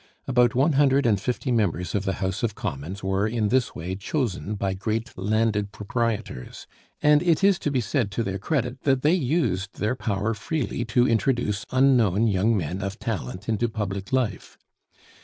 About one hundred and fifty members of the House of Commons were in this way chosen by great landed proprietors, and it is to be said to their credit that they used their power freely to introduce unknown young men of talent into public life.